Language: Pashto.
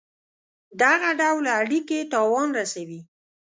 دغه ډول اړېکي تاوان رسوي.